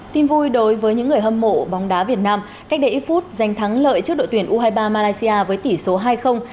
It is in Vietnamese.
tin vui đối với những người hâm mộ bóng đá việt nam cách đây ít phút giành thắng lợi trước đội tuyển u hai mươi ba malaysia với tỷ số hai